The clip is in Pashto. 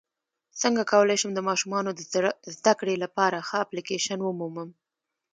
څنګه کولی شم د ماشومانو د زدکړې لپاره ښه اپلیکیشن ومومم